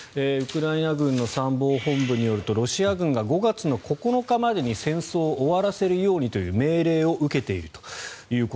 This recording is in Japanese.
ウクライナ軍の参謀本部によるとロシア軍が５月９日までに戦争を終わらせるようにと命令を受けていると。